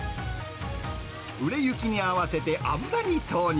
売れ行きに合わせて油に投入。